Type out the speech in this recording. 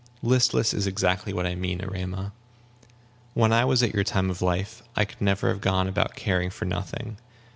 'Listless' is exactly what I mean, Erema. When I was at your time of life, I could never have gone about caring for nothing.